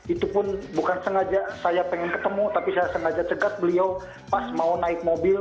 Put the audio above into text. itu pun bukan sengaja saya pengen ketemu tapi saya sengaja cegat beliau pas mau naik mobil